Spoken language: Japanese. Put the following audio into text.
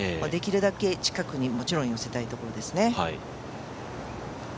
できるだけ近くに、もちろん寄せたいところですね。